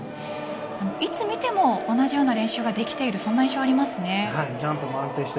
いつ見ても同じような練習ができているそんな印象がありますね。